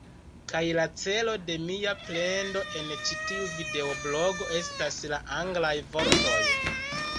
Kaj la celo de mia plendo en ĉi tiu videoblogo estas la anglaj vortoj